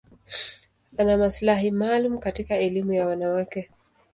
Ana maslahi maalum katika elimu ya wanawake.